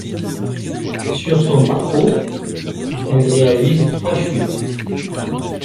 Sur son parcours, elle réalise trois chutes.